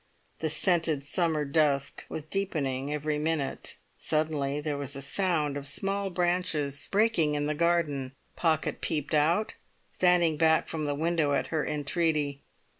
The scented summer dusk was deepening every minute. Suddenly there was a sound of small branches breaking in the garden. Pocket peeped out, standing back from the window at her entreaty.